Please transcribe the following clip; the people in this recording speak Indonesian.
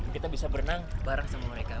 kita bisa berenang bareng sama mereka